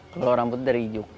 kalo rambut dari ijuk